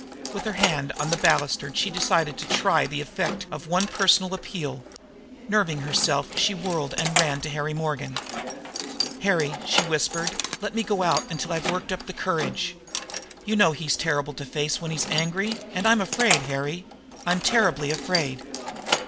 With her hand on the balustrade she decided to try the effect of one personal appeal. Nerving herself she whirled and ran to Harry Morgan. "Harry," she whispered, "let me go out till I've worked up my courage. You know he's terrible to face when he's angry. And I'm afraid, Harry I'm terribly afraid!"